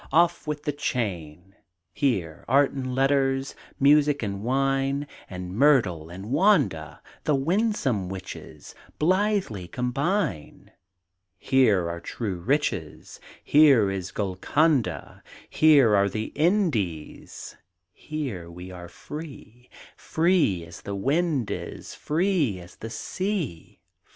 Off with the chain! Here Art and Letters, Music and wine, And Myrtle and Wanda, The winsome witches, Blithely combine. Here are true riches, Here is Golconda, Here are the Indies, Here we are free Free as the wind is, Free, as the sea.